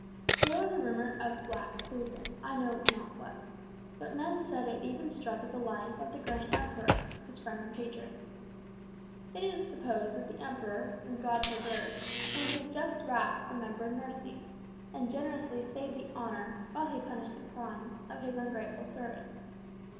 There was a rumour of some black treason, I know not what, but men said it even struck at the life of the great Emperor, his friend and patron. It is supposed that the Emperor (whom God preserve!), in his just wrath remembered mercy, and generously saved the honour, while he punished the crime, of his ungrateful servant.